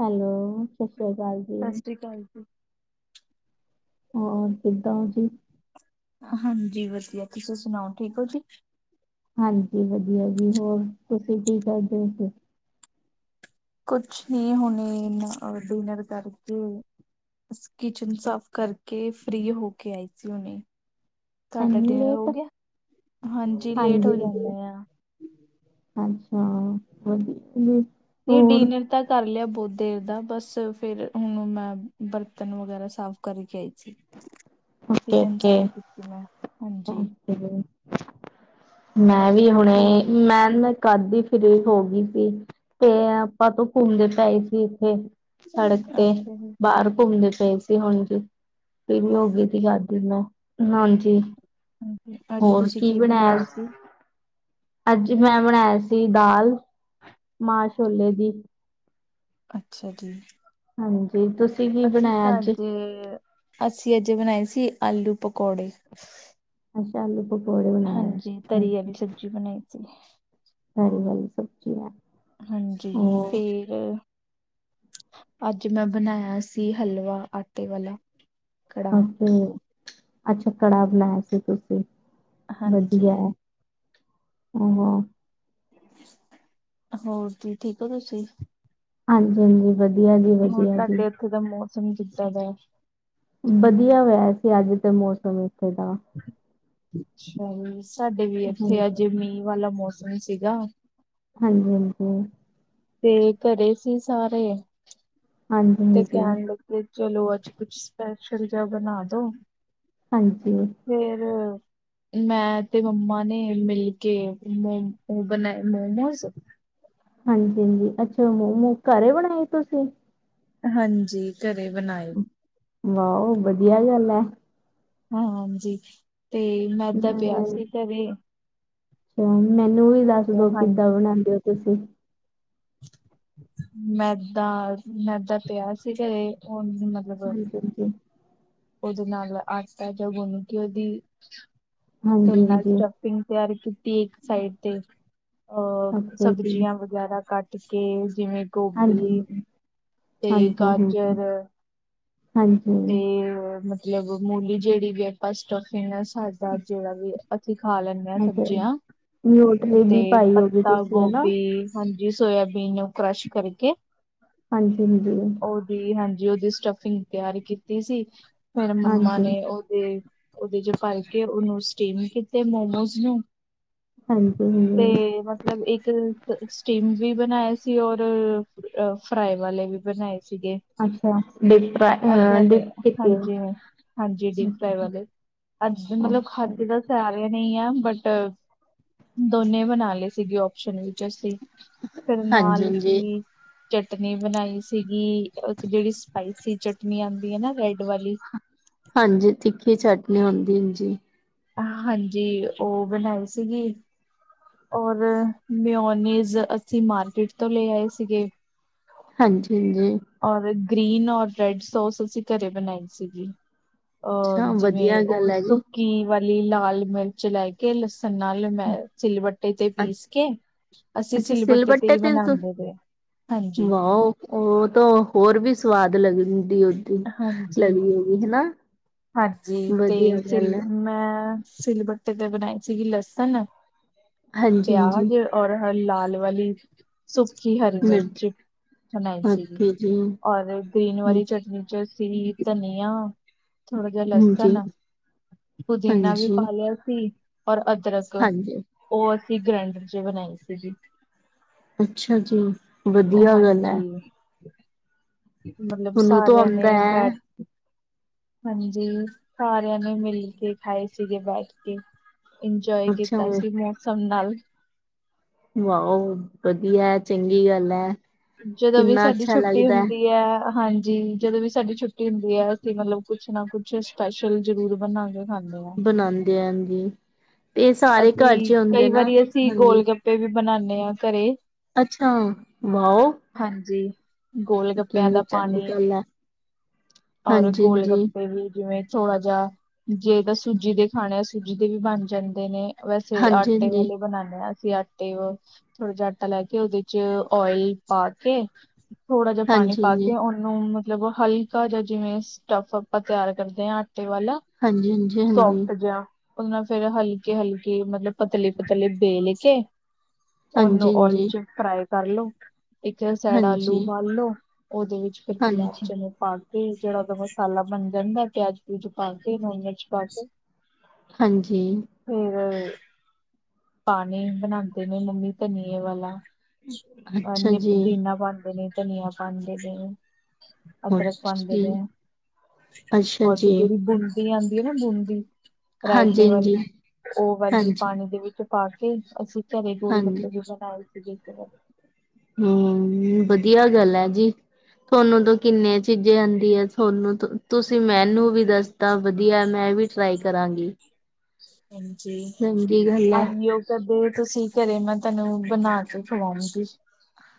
Hello ਸਤਿ ਸ੍ਰੀ ਅਕਾਲ ਜੀ। ਸਤਿ ਸ਼੍ਰੀ ਅਕਾਲ ਜੀ, ਹੋਰ ਕਿਦਾਂ ਜੀ? ਹਾਂਜੀ ਵਧੀਆ, ਤੁਸੀਂ ਸੁਣਾਓ ਠੀਕ ਹੋ ਜੀ? ਹਾਂਜੀ ਵਧੀਆ ਜੀ, ਹੋਰ ਤੁਸੀਂ ਕੀ ਕਰਦੇ ਜੀ? ਕੁਛ ਨਹੀਂ ਹੁਣੇ ਡਿਨਰ ਕਰਕੇ। ਕਿਚਨ ਸਾਫ਼ ਕਰਕੇ ਫ੍ਰਰੀ ਹੋ ਕੇ ਆਈ ਸੀ ਹੁਣੇ। ਤੁਹਾਡਾ ਇੰਨੀ ਡਿਨਰ ਹੋ ਲੇਟ ਗਿਆ ਹਾਂਜੀ ਲੇਟ ਹੋ ਜਾਂਦੇ ਆ। ਅੱਛਾ ਵਧੀਆ। ਨਹੀਂ ਹੋਰ ਡਿਨਰ ਤਾ। ਕਰ ਲਿਆ ਬਹੁਤ ਦੇਰ ਦਾ ਬਸ ਫੇਰ ਹੁਣ ਮੈਂ ਬਰਤਨ ਵਗੈਰਾ ਸਾਫ਼ ਕਰਕੇ ਆਈ। ਕਿਚਨ ਓਕੇ-ਓਕੇ, ਸਾਫ ਕੀਤੀ ਮੈਂ। ਹਾਂਜੀ ਮੈਂ ਵੀ ਹੁਣੇ ਹੋਰ ਮੈਂ। ਕਦ ਦੀ ਫਰੀ ਹੋ ਗਈ ਸੀ ਤੇ ਆਪਾਂ ਤੋਂ ਘੁੰਮਦੇ ਪਏ ਸੀ ਇੱਥੇ। ਸੜਕ ਤੇ ਅੱਛਾ ਜੀ। ਬਾਹਰ ਘੁੰਮਦੇ ਪਏ ਸੀ। ਹੁਣ ਜੀ ਵੀ ਹੋ ਗਈ ਸੀ ਖਾਦੀ ਨਾਲ ਹਾਂਜੀ। ਹਾਂਜੀ, ਅਜ ਤੁਸੀਂ ਕੀ ਬਣਾਇਆ ਸੀ? ਅੱਜ ਮੈਂ ਬਣਾਇਆ ਸੀ ਦਾਲ ਮਾਂ ਛੋਲੇ ਦੀ। ਅੱਛਾ ਜੀ। ਹਾਂਜੀ, ਤੁਸੀਂ। ਕੀ ਅਸੀਂ ਬਣਾਇਆ ਤਾਂ ਅੱਜ ਅਸੀਂ ਅੱਜ ਬਣਾਏ ਸੀ ਆਲੂ ਪਕੌੜੇ। ਅੱਛਾ, ਆਲੂ ਪਕੋੜੇ। ਹਾਂਜੀ। ਤਰੀ ਵਾਲੀ ਸਬਜ਼ੀ ਬਣਾਈ ਸੀ। ਤਰੀ ਵਾਲੀ ਸਬਜੀ ਨਾਲ। ਹਾਂਜੀ ਤੇ ਅੱਜ ਮੈਂ ਬਣਾਇਆ ਸੀ ਹਲਵਾ ਆਟੇ ਵਾਲਾ। ਕੜਾਹ ਓਕੇ ਅੱਜ ਕੜਾ ਬਣਾਇਆ ਸੀ ਤੁਸੀਂ ਹਾਂਜੀ ਵਧੀਆ ਹੈ। ਹੂੰ, ਹੂੰ। ਹੋਰ ਜੀ ਠੀਕ ਹੋ ਤੁਸੀਂ। ਹਾਂਜੀ, ਹਾਂਜੀ। ਵਧੀਆ ਜੀ। ਹੋਰ ਵਧੀਆ ਜੀ ਤੁਹਾਡੇ ਇੱਥੇ ਦਾ ਮੌਸਮ ਕਿੱਦਾਂ ਦਾ। ਵਧੀਆ ਵੈਸੇ, ਅੱਜ ਤੇ ਮੌਸਮ ਇੱਥੇ ਦਾ। ਅੱਛਾ ਸਾਡੇ ਵੀ ਇੱਥੇ ਹਾਂਜੀ ਅੱਜ ਮੀਂਹ ਵਾਲਾ ਮੌਸਮ ਸੀਗਾ। ਹਾਂਜੀ, ਹਾਂਜੀ, ਤੇ ਘਰੇ ਸੀ ਸਾਰੇ ਹਾਂਜੀ ਤੇ ਹਾਂਜੀ ਕਹਿਣ ਲਗੇ। ਤੇ ਚਲੋ ਅੱਜ ਕੁਛ ਸਪੈਸ਼ਲ ਜਿਹਾ ਬਣਾ ਦੋ। ਹਾਂਜੀ। ਫੇਰ। ਮੈਂ ਤੇ ਮੰਮਾ ਨੇ ਮਿਲ ਕੇ ਮੋ ਬਣਾਏ ਮੋਮੋਸ। ਹਾਂਜੀ, ਹਾਂਜੀ। ਅੱਛਾ ਮੋਮੋਜ ਘਰੇ ਬਣਾਏ ਤੁਸੀਂ। ਹਾਂਜੀ, ਘਰੇ ਬਣਾਏ। ਵਾਓ, ਵਧੀਆ ਗੱਲ ਐ। ਹਾਂ, ਹਾਂਜੀ ਤੇ ਮੈਦਾ ਪਿਆ ਮੈਂ ਸੀ ਘਰੇ। ਅੱਛਾ ਮੈਨੂੰ ਵੀ ਦੱਸ ਤੇ ਦੋ ਹਾਂ ਕਿੱਦਾਂ ਬਣਾਉਂਦੇ ਹੋ ਤੁਸੀਂ। ਮੈਦਾ ਮੈਦਾ ਪਿਆ ਸੀ ਘਰੇ ਉਹ ਮਤ- ਹਾਂਜੀ, ਹਾਂਜੀ। ਉਹਦੇ ਨਾਲ ਆਟਾ ਜਿਹਾ ਉਹਨੂੰ ਕਿ ਉਹਦੀ ਫਿਰ ਹਾਂਜੀ ਮੈ ਸਟ ਹਾਂਜੀ ਸਟਫਿੰਗ ਤਿਆਰ ਕੀਤੀ ਇੱਕ ਸਾਈਡ ਤੇ ਹਾਂਜੀ ਅਹ ਓਕੇ ਜੀ ਸਬਜ਼ੀਆਂ। ਵਗੈਰਾ ਕੱਟ ਕੇ ਜਿਵੇਂ ਹਾਂਜੀ ਗੋਭੀ ਤੇ ਹਾਂਜੀ ਗਾਜਰ। ਹਾਂਜੀ ਹਾਂਜੀ। ਤੇ ਮਤਲਬ ਮੂਲੀ ਜਿਹੜੀ ਵੀ ਆਪਾਂ ਸਟਫਿਗ ਸਾਦਾ ਜਿਹੜਾ ਵੀ, ਅਸੀਂ ਖਾ ਲੈਂਦੇ ਹਾਂ ਅੱਛਾ ਸਬਜ਼ੀਆਂ ਨਿਊਟਰੀ ਤੇ ਵੀ ਪਾਈ ਹੋਗੀ ਪੱਤਾ ਤੁਸੀਂ ਹੈ ਨਾ ਗੋਭੀ ਹਾਂਜੀ, ਸੋਇਬੀਨ ਨੂੰ ਕਰਸ਼ ਕਰਕੇ। ਹਾਂਜੀ, ਹਾਂਜੀ। ਉਹਦੀ ਹਾਂਜੀ ਉਹਦੀ ਸਟਫਿੰਗ ਤਿਆਰੀ ਕੀਤੀ ਸੀ, ਫੇਰ ਮੰਮਾ ਹਾਂਜੀ ਨੇ ਉਹ ਤੇ ਉਹਦੇ ਚ ਭਰ ਕੇ ਉਹਨੂੰ ਸਟੀਮ ਕੀਤੇ ਮੋਮੋਜ਼ ਨੂੰ। ਹਾਂਜੀ ਤੇ ਹਾਂਜੀ ਬਸ ਮਤਲਬ ਇੱਕ ਸਟੀਮ ਵੀ ਬਣਾਏ ਸੀ, ਔਰ ਫਰਾਈ ਵਾਲੇ ਵੀ ਬਣਾਏ ਸੀਗੇ। ਅੱਛਾ ਦੀਪ ਫਰਾਈ। ਅੱਧੇ ਡੀਪ ਕੀਤੀ ਆ ਹਾਂਜੀ-ਹਾਂਜੀ, ਡੀਪ ਫਰਾਈ ਅੱਛਾ ਵਾਲੇ ਅੱਜ ਮਤਲਬ ਓਕੇ ਖਾਧੇ ਦਾ ਸਾਰੀਆਂ ਨਹੀਂ ਆ ਬਟ ਦੋਨੇ ਬਣਾ ਲਏ ਸੀਗੇ, ਓਪਸ਼ਨ ਵਿੱਚ ਅਸੀਂ। ਫੇਰ ਹਾਂਜੀ ਨਾਲ ਹਾਂਜੀ ਜੀ। ਚਟਨੀ ਬਣਾਈ ਸੀਗੀ, ਇੱਕ ਜਿਹੜੀ ਸਪਾਈਸੀ ਚਟਨੀ ਆਦੀ ਹੈ ਨਾ ਰੈਡ ਵਾਲੀ ਹਾਂਜੀ, ਤਿੱਖੀ ਚਟਨੀ ਹੁੰਦੀ ਜੀ। ਹਾਂਜੀ, ਉਹ ਬਣਾਈ ਸੀਗੀ। ਔਰ ਮਿਓਨੀਜ਼ ਅਸੀਂ ਮਾਰਕੀਟ ਤੋਂ ਲੈ ਆਏ ਸੀਗੇ। ਹਾਂਜੀ-ਹਾਂਜੀ, ਔਰ ਗ੍ਰੀਨ ਔਰ ਰੈਡ ਸੋਸ ਅਸੀਂ ਘਰੇ ਬਣਾਈ ਸੀਗੀ। ਅਹ ਅੱਛਾ ਜਿਵੇਂ ਵਧੀਆ ਉਹ ਗੱਲ ਹੈ ਜੀ ਸੁੱਕੀ ਵਾਲੀ ਲਾਲ ਮਿਰਚ ਲੈ ਕੇ ਨਾਲ ਮੈਂ ਚਿਲਬੱਟੇ ਤੇ ਅੱਛ- ਪੀਸ ਕੇ, ਅਸੀਂ ਸਿਲਬੱਟੇ ਤੇ ਹੀ ਬਣਾਉਂਦੇ ਰਹੇ ਹਾਂਜੀ, ਵਾਓ ਉਹ ਤਾਂ ਹੋਰ ਵੀ ਸਵਾਦ ਲੱਗਦੀ, ਉਹਦੀ ਹਾਂਜੀ। ਲਗੀ ਹੋਗੀ ਹਨਾ। ਹਾਂਜੀ ਤੇ ਵਧੀਆ ਸਿਲ ਗੱਲ ਹੈ ਮੈਂ ਸਿਲਬੱਟੇ ਤੇ ਬਣਾਈ ਸੀਗੀ, ਲਸਣ ਹਾਂਜੀ ਹਾਂਜੀ ਪਿਆਜ, ਔਰ ਲਾਲ ਵਾਲੀ ਸੁੱਕੀ ਹਰੀ ਨਿਰ ਮਿਰਚ ਬਣਾਈ ਸੀਗੀ, ਓਕੇ ਜੀ ਔਰ ਗ੍ਰੀਨ ਵਾਲੀ ਚਟਨੀ ਚ- ਚ ਧਨੀਆ ਥੋੜਾ ਜਾ ਲਸਣ ਹਾਂਜੀ ਪੁਦੀਨਾ ਵੀ ਹਾਂਜੀ ਪਾ ਲਿਆ ਸੀ, ਔਰ ਅਦਰਕ ਹਾਂਜੀ ਉਹ ਅਸੀਂ ਗ੍ਰੈਂਡਰ ਚ ਬਣਾਈ ਸੀਗੀ। ਅੱਛਾ ਜੀ ਵਧੀਆ ਗੱਲ ਹੈ। ਹਾਂਜੀ ਮਤਲਬ ਤੁਹਾਨੂੰ ਤੋਂ ਸਾਰਿਆਂ ਆਉਂਦਾ ਨੇ ਹੈ ਬੈਠ ਹਾਂਜੀ, ਸਾਰਿਆਂ ਨੇ ਮਿਲ ਕੇ ਖਾਏ ਸੀਗੇ ਬੈਠ ਕੇ। ਇੰਜੋਏ ਅੱਛਾ ਕੀਤਾ ਸੀ ਮੌਸਮ ਨਾਲ। ਵਾਓ ਵਧੀਆ ਚੰਗੀ ਗੱਲ ਐ। ਜਦੋਂ ਵੀ ਸਾਡੀ ਛੁੱਟੀ ਹੁੰਦੀ ਹੈ, ਹਾਂਜੀ। ਜਦੋਂ ਵੀ ਸਾਡੀ ਛੁੱਟੀ ਹੁੰਦੀ ਹੈ, ਅਸੀਂ ਮਤਲਬ ਕੁਛ ਨਾ ਕੁਛ ਸਪੈਸ਼ਲ ਜ਼ਰੂਰ ਬਣਾ ਕੇ ਖਾਂਦੇ ਹਾਂ। ਬਣਾਉਂਦੇ ਆ ਜੀ ਤੇ ਸਾਰੇ ਘਰ ਚ ਹੁੰਦੇ ਨਾ ਹਾਂਜੀ। ਪੇ ਵੀ ਬਣਾਨੇ ਹਾਂ ਘਰੇ, ਅੱਛਾ ਵਾਓ, ਹਾਂਜੀ, ਗੋਲ ਗੱਪਿਆਂ ਕਿੰਨੀ ਦਾ ਚੰਗੀ ਪਾਣੀ ਗੱਲ ਹੈ ਔਰ ਗੋਲ ਹਾਂਜੀ-ਹਾਂਜੀ, ਗੱਪੇ ਵੀ ਜਿਵੇਂ ਥੋੜਾ ਜਿਹਾ ਜੇ ਤਾਂ ਸੂਜੀ ਦੇ ਖਾਣੇ ਆ ਸੂਜੀ ਦੇ ਵੀ ਬਣ ਜਾਂਦੇ ਨੇ, ਵੈਸੇ ਆਟੇ ਹਾਂਜੀ-ਹਾਂਜੀ, ਵਾਲੇ ਬਣਾਨੇ ਹਾਂ ਅਸੀਂ ਆਟੇ ਵ ਥੋੜ੍ਹਾ ਜਿਹਾ ਆਟਾ ਲੈ ਕੇ ਉਹਦੇ ਚ ਓਇਲ ਪਾ ਕੇ, ਥੋੜਾ ਜਿਹਾ ਪਾਣੀ ਪਾ ਹਾਂਜੀ-ਹਾਂਜੀ। ਕੇ ਉਹਨੂੰ ਮਤਲਬ ਹਲ ਜ ਜਿਵੇਂ, ਸਟਫ ਆਪਾਂ ਤਿਆਰ ਕਰਦੇ ਹਾਂ, ਆਟੇ ਵਾਲਾ ਹਾਂਜੀ-ਹਾਂਜੀ, ਸੋਫਟ ਜਿਹਾ। ਉਹ ਨਾਲ ਫੇਰ ਹਲਕੇ-ਹਲਕੇ ਮਤਲਬ ਪਤਲੇ ਪਤਲੇ ਬੇਲ ਕੇ, ਉਹਨੂੰ ਓਲ ਹਾਂਜੀ, ਚ ਫਰਾਈ ਕਰਲੋ, ਇੱਕ ਸਾਈਡ ਆਲੂ ਹਾਂਜੀ-ਹਾਂਜੀ, ਉਬਾਲ ਲੋ। ਉਹਦੇ ਵਿੱਚ ਫਿਰ ਖਲਾਫ ਹਾਂਜੀ। ਜਨ ਪਾ ਕੇ ਜਿਹੜਾ ਉਹਦਾ ਮਸਾਲਾ ਬਣ ਜਾਂਦਾ ਪਿਆਜ-ਪਊਜ ਪਾ ਕੇ ਨੋਨ ਵੈਜ ਪਾ ਕੇ, ਹਾਂਜੀ ਫੇਰ ਪਾਣੀ ਬਣਾਉਦੇ ਨੇ ਮੰਮੀ ਧਨੀਏ ਵਾਲਾ ਹਾਂਜੀ ਅੱਛਾ ਨਿੱਤ ਜੀ। ਪੁਦੀਨਾ ਬਣਦੇ ਨੇ ਧਨੀਆ ਬਣਦੇ ਨੇ ਹੋਰ ਅਦਰਸ ਬੰਦੇ ਜੀ ਗ ਅੱਛਾ ਫੇ ਜੀ, ਜਿਹੜੀ ਬ ਆਉਂਦੀ ਹੈ ਨਾ ਬੂੰਦੀ ਰਾਇਤੇ ਹਾਂਜੀ-ਹਾਂਜੀ, ਵਾਲੀ ਉਹ ਵਾਲੀ ਹਾਂਜੀ। ਪਾਣੀ ਦੇ ਵਿੱਚ ਪਾ ਕੇ ਅਸੀਂ ਘਰੇ ਗੋਲ ਹਾਂਜੀ, ਗੱਪੇ ਵੀ ਬਣਾਏ ਸੀਗੇ ਹਮ ਵਧੀਆ ਗੱਲ ਹੈ ਜੀ ਤੁਹਾਨੂੰ ਤੋਂ ਕਿੰਨੇ ਚੀਜੇ ਵਧ ਤੁਹਾਨੂੰ ਤੁਸੀਂ ਮੈਨੂੰ ਵੀ ਦੱਸਦਾ ਵਧੀਆ ਮੈਂ ਵੀ ਟਰਾਈ ਕਰਾਂਗੀ ਹਜੀ ਚੰਗੀ ਗੱਲ ਐ। ਅਨਯ ਕਦੇ ਤੁਸੀਂ ਘਰੇ ਮੈਂ ਤੈਨੂੰ ਬਣਾ ਕੇ ਖਵਾਉਂਗੀ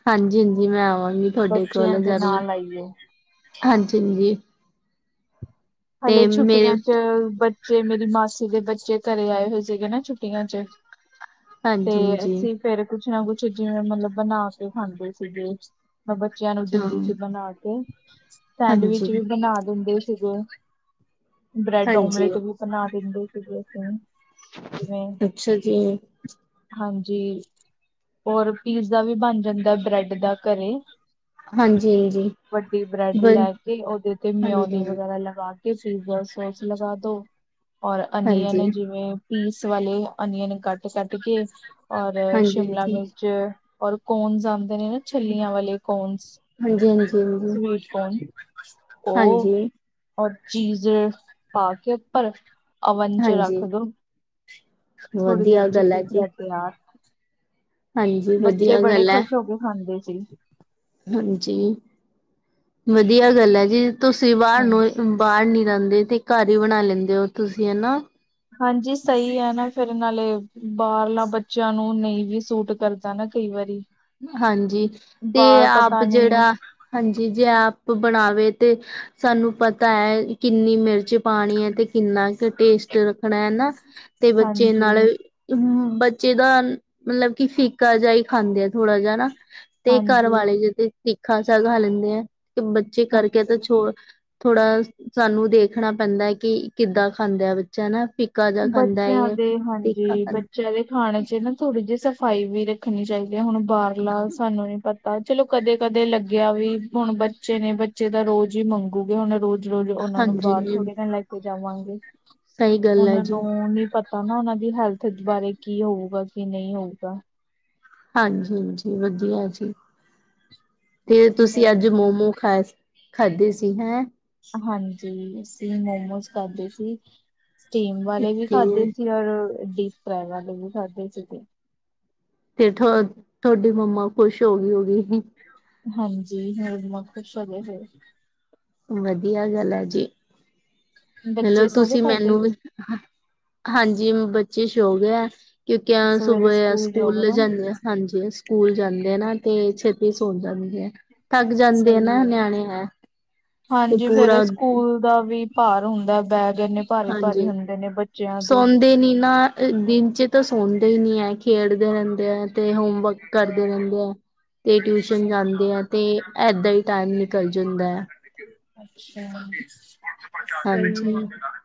ਹਾਂਜੀ ਹਾਂਜੀ ਮੈਂ ਆਵਾਂਗੀ ਤੁਹਾਡੇ ਕੋਲ ਬੱਚਿਆਂ ਦੇ ਜਰੂਰ ਨਾਲ ਆਈਓ ਹਾਂਜੀ ਹਾਂਜੀ ਹਲੇੇ ਮੇਰੇ ਛੁੱਟੀਆਂ ਚ ਬੱਚੇ ਮੇਰੀ ਮਾਸੀ ਦੇ ਬੱਚੇ ਘਰੇ ਆਏ ਹੋਏ ਸੀਗੇ ਨਾ ਛੁੱਟੀਆਂ ਚ ਤੇ ਹਾਂਜੀ ਅਸੀਂ ਫੇਿਰ ਕੁਛ ਨਾ ਕੁਛ ਜਿਵੇਂ ਮਤਲਬ ਬਣਾ ਕੇ ਖਾਂਦੇ ਸੀਗੇ ਮੈਂ ਬੱਚਿਆਂ ਨੂੰ ਦਿੰਦੀ ਹਾਂਜੀ ਸੀ ਬਣਾ ਕੇ ਅੱਛਾ ਸਟੈਂਡ ਹਾਂਜੀ ਵਿੱਚ ਵੀ ਬਣਾ ਦਿੰਦੇ ਸੀਗੇ। ਬ੍ਰੈਡ ਹਾਂਜੀ ਓਮਲੇਟ ਵੀ ਬਣਾ ਦਿੰਦੇ ਸੀਗੇ ਅਸੀਂ। ਜਿਵੇਂ ਅੱਛਾ ਜੀ। ਹਾਂਜੀ, ਹੋਰ ਪੀਸ ਦਾ ਵੀ ਬਣ ਜਾਂਦਾ ਬਰੈਡ ਦਾ ਘਰੇ। ਹਾਂਜੀ ਹਾਂਜੀ ਵੱਡੀ ਬਰੈਡ ਬ ਲੈ ਕੇ ਉਹਦੇ ਤੇ ਮਿਉਨੀ ਹਾਂਜੀ ਹਾਂਜੀ ਵਗੈਰਾ ਲਗਾ‌ ਕਿਸ ਚੀਜ਼ ਦਾ ਸੋਚ ਲਗਾ ਦੋ ਔਰ ਅਨਅਨ ਹਾਂਜੀ ਨੇ ਜਿਵੇਂ ਇਸ ਵਾਲੇ ਅਨੀਅਨ ਕੱਟ ਕੱਟ ਕੇ ਔਰ ਹਾਂਜੀ ਸ਼ਿਮਲਾ ਮਿਰਚ ਔਰ ਕੋਨਸ ਜਾਂਦੇ ਨੇ ਨਾ ਛਲੀਆਂ ਵਾਲੇ ਕੋਨਸ। ਹਾਂਜੀ ਹਾਂਜੀ ਹਾਂਜੀ ਵਕਮ [unintelligible] ਹਾਂਜੀ। ਚੀਜ਼ ਪਾ ਕੇ ਪਰ, ਅਵਨ ਚ ਰੱਖ ਹਾਂਜੀ ਦੋ। ਥੋੜੀ ਦੇਰ ਵਧੀਆ ਚ ਗੱਲ ਹੈ ਜੀ ਪੀਜ਼ਾ ਤਿਆਰ। ਹਾਂਜੀ ਬੱਚੇ ਵਧੀਆ ਬੜੇ ਗੱਲ ਹੈ ਖੁਸ਼ ਹੋ ਕੇ ਖਾਂਦੇ ਸੀ। ਹਾਂਜੀ, ਵਧੀਆ ਗੱਲ ਹੈ ਜੀ ਤੁਸੀਂ ਬਾਹਰ ਹਾਂਜੀ। ਨੂੰ ਬਾਹਰ ਨੀ ਜਾਂਦੇ ਤੇ ਘਰ ਹੀ ਬਣਾ ਲੈਂਦੇ ਹੋ ਤੁਸੀਂ ਹਨਾ। ਹਾਂਜੀ ਸਹੀ ਹੈ ਨਾ ਫਿਰ ‌ਨਾਲੇ ਬਾਹਰਲਾ ਬੱਚਿਆਂ ਨੂੰ ਨਹੀਂ ਵੀ ਸੂਟ ਕਰ ਦਾ ਨਾ ਕਈ ਵਾਰੀ। ਹਾਂਜੀ ਤੇ ਬਾਹਰ ਆਪ ਪਤਾ ਨੀ ਜਿਹੜਾ ਹਾਂਜੀ ਜੇ ਆਪ ਬਣਾਵੇ ਤੇ ਸਾਨੂੰ ਪਤਾ ਹੈ ਕਿੰਨੀ ਮਿਰਚ ਪਾਣੀ ਹੈ ਤੇ ਕਿੰਨਾ ਕੁ ਟੇਸਟ ਰਖਣਾ ਹਨਾ ਤੇ ਬੱਚੇ ਹਾਂਜੀ, ਨਾਲ ਬੱਚੇ ਦਾ ਮਤਲਬ ਕਿ ਫੀਕਾ ਜਿਹਾ ਹੀ ਖਾਂਦੇ ਆ ਥੋੜਾ ਜਿਹਾ ਨਾ ਤੇ ਘਰ ਹਾਂਜੀ, ਵਾਲੇ ਜੇ ਤੇ ਤਿੱਖਾ ਜਾਗਾ ਲੈਂਦੇ ਆ ਤੇ ਬੱਚੇ ਕਰਕੇ ਤਾਂ ਹਾਂਜੀ। ਛੋੜ ਥੋੜਾ ਸਾਨੂੰ ਦੇਖਣਾ ਪੈਂਦਾ ਕਿ ਕਿੱਦਾਂ ਖਾਂਦਾ ਬੱਚਾ ਨਾ ਫੀ ਬੱਚਿਆਂ ਦੇ, ਹਾਂਜੀ, ਖਾਂਦਾ ਬੱਚਿਆਂ ਦੇ ਖਾਣੇ ਚ ਨਾ ਥੋੜੀ ਜਿਹੀ ਸਫਾਈ ਵੀ ਰੱਖਣੀ ਚਾਹੀਦੀ ਹੈ ਹੁਣ ਬਾਹਰਲਾ ਸਾਨੂੰ ਨੀ ਪ ਤਾਂ, ਚਲੋ ਕਦੇ ਕਦੇ ਲੱਗਿਆ ਵੀ ਹੁਣ ਬੱਚੇ ਨੇ ਬੱਚੇ ਦਾ ਰੋਜ਼ ਹੀ ਮੰਗੂਗੇ ਹੁਣ ਰੋਜ਼ ਰੋਜ਼ ਉਹਨਾਂ ਨੂੰ ਹਾਂਜੀ ਬਾਹਰ ਜੀ ਥੋੜੀ ਨਾ ਲੈ ਕੇ ਜਾਵਾਂਗੇ। ਸਹੀ ਗੱਲ ਹੈ ਉਹਨਾਂ ਜੀ ਨੂੰ ਨੀ ਪਤਾ ਨਾ ਉਹਨਾਂ ਦੀ ਹੈਲਥ ਬਾਰੇ ਕੀ ਹੋਊਗਾ ਕਿ ਨਹੀਂ ਹੋਊਗਾ ਹਾਂਜੀ-ਹਾਂਜੀ ਵਧੀਆ ਜੀ, ਤੇ ਤੁਸੀਂ ਅੱਜ ਮੋਮੋ ਖਾਏ ਸ ਖਾਂਦੇ ਸੀ ਹੈਂ। ਹਾਂਜੀ, ਅਸੀਂ ਮੋਮੋਸ ਖਾਦੇ ਸੀ। ਸਟੀਮ ਵਾਲੇ ਵੀ ਤੇ ਖਾਦੇ ਸੀ ਔਰ ਡੀਪ ਫਰਾਈ ਵਾਲੇ ਵੀ ਖਾਦੇ ਸੀਗੇ। ਤੇ ਠ ਤੁਹਾਡੀ ਮਮਾ ਖੁਸ਼ ਹੋ ਗਈ ਹੋ ਗਈ। ਹਾਂਜੀ, ਹਮ ਮਮਾ ਖੁਸ਼ ਹੋਂਗੇ ਸੀ। ਵਧੀਆ ਗੱਲ ਹੈ ਜੀ। ਚਲੋ ਬੱਚੇ ਸੋ ਗਏ ਤੁਸੀਂ ਤੁਹਾਡੇ? ਮੈਨੂੰ ਵੀ ਹਾਂਜੀ ਬੱਚੇ ਸ਼ੌ ਗਿਆ ਹੈ ਕਿਉਂਕਿ ਸਵੇਰੇ ਸੁਬਹ ਜਾਓਗੇ ਸਕੂਲ ਨਾ ਜਾਂਦੇ, ਹਾਂਜੀ। ਸਕੂਲ ਜਾਂਦੇ ਨਾ ਤੇ ਛੇਤੀ ਸੋਣ ਜਾਂਦੀ ਐ। ਥੱਕ ਜਾਂਦੇ ਆ ਨਾ ਨਿਆਣੇ ਹੈ ਤੇ ਹਾਂਜੀ ਫੇਰ ਪੂਰਾ ਸਕੂਲ ਦਾ ਵੀ ਭਾਰ ਹੁੰਦਾ ਬੈਗ ਇਨੇ ਭਾਰੀ -ਭਾਰੀ ਹਾਂਜੀ ਹੁੰਦੇ ਨੇ ਬੱਚਿਆਂ ਦੇ ਸੌਂਦੇ ਨੀ ਨਾ [unintelligible] ਦਿਨ 'ਚ ਤਾਂ ਸੌਂਦੇ ਹੀ ਨਹੀਂ ਹ ਖੇਡਦੇ ਰਹਿੰਦੇ ਹੈ ਤੇ ਹੋਮਵਰਕ ਕਰਦੇ ਰਹਿੰਦੇ ਹੈ। ਤੇ ਟਿਊਸ਼ਨ ਜਾਂਦੇ ਹੈ ਤੇ [unintelligible] ਏਦਾਂ ਹੀ ਟਾਈਮ ਅੱਛਾ ਨਿਕਲ ਜਾਂਦਾ ਹੈ [inaudible] ਸਹੀ ਹਾਂਜੀ ਹੈ।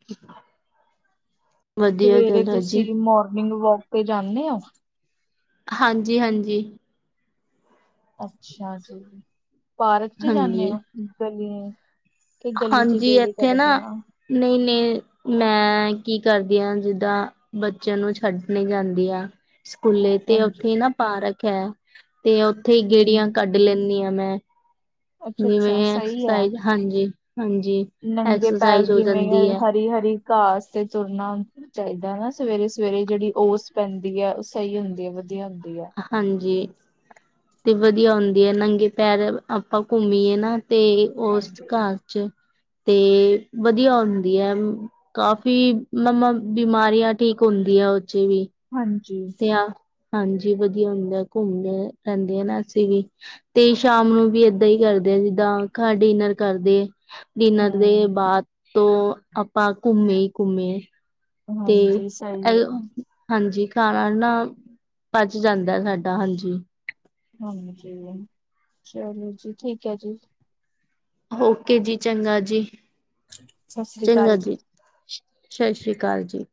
[inaudible] ਸਵੇਰੇ ਗੱਲ ਹੈ ਜੀ ਤੁਸੀਂ ਮੋਰਨਿੰਗ ਵੋਕ ਤੇ ਜਾਂਨੇ ਹੋ। ਹਾਂਜੀ-ਹਾਂਜੀ ਅੱਛਾ ਜੀ ਪਾਰਕ 'ਚ ਜਾਂਨੇ ਹਾਂਜੀ ਹੋ ਗਲੀਆਂ ਕਿ ਗਲੀ 'ਚ ਗੇੜੇ ਕੱਢਦੇ ਆਂ। ਨਹੀਂ-ਨਹੀਂ ਮੈਂ ਕੀ ਕਰਦੀ ਆ ਜਿੱਦਾਂ ਬੱਚਿਆਂ ਨੂੰ ਛੱਡਣ ਨਹੀਂ ਜਾਂਦੀ ਆ। ਸਕੂਲੇ ਤੇ ਹਾਂਜੀ। ਉੱਥੇ ਨਾ ਪਾਰਕ ਹੈ ਤੇ ਉੱਥੇ ਹੀ ਗੇੜੀਆਂ ਹੂੰ, ਕੱਢ ਲੈਨੀ ਆ ਮੈਂ ਜਿਵੇਂ ਅੱਛਾ-ਅੱਛਾ ਸਹੀ ਹੈ। ਐਕਸਰਸਾਈਜ਼ ਹਾਂਜੀ-ਹਾਂਜੀ। ਨੰਗੇ ਪੈਰ ਜਿਵੇਂ ਹਰੀ -ਹਰੀ ਘਾਸ ਤੇ ਤੁਰਨਾ ਚਾਹੀਦਾ ਨਾ ਸਵੇਰੇ -ਸਵੇਰੇ ਜਿਹੜੀ ਔਸ ਪੈਂਦੀ ਆ ਸਹੀ ਹੁੰਦੀ ਆ ਵਧੀਆ ਹੁੰਦੀ ਆ। ਹਾਂਜੀ ਤੇ ਵਧੀਆ ਹੁੰਦੀ ਹੈ ਨੰਗੇ ਪੈਰ ਆਪਾਂ ਘੁੰਮੀਏ ਨਾ ਤੇ ਉਸ ਹਾਂਜੀ, ਘਰ 'ਚ ਤੇ ਵਧੀਆ ਹੁੰਦੀ ਹੈ। ਕਾਫ਼ੀ ਮੰ ਮ ਬਿਮਾਰੀਆਂ ਠੀਕ ਹੁੰਦੀਆਂ ਉਚੇ ਵੀ ਹਾਂਜੀ ਤੇ ਆ ਹਾਂਜੀ ਵਧੀਆ ਹੁੰਦਾ ਘੁੰਮਦੇ ਰਹਿੰਦੇ ਹ ਨਾ ਅਸੀਂ ਵੀ ਤੇ ਸ਼ਾਮ ਨੂੰ ਵੀ ਏਦਾਂ ਹੀ ਕਰਦ ਜਿੱਦਾਂ ਡਿਨਰ ਘਰ ਕਰਦੇ ਡਿਨਰ ਦੇ ਹੂੰ, ਬਾਅਦ ਤੋਂ ਆਪਾਂ ਘੁੰਮੇ- ਘੁੰਮੇ ਤੇ ਹਾਂਜੀ ਸਹੀ ਆ। ਇਹ ਹਾਂਜੀ ਖਾਣਾ ਨਾ ਪਚ ਜਾਂਦਾ ਸਾਡਾ ਹਾਂਜੀ। ਹਾਂਜੀ ਚਲੋ ਜੀ ਠੀਕ ਹੈ ਜੀ। ਓਕੇ ਜੀ ਚੰਗਾ ਜੀ- ਸਤਿ ਸ੍ਰੀ ਅਕਾਲ ਚੰਗਾ ਜੀ। ਸਤਿ ਸ੍ਰੀ ਅਕਾਲ ਜੀ।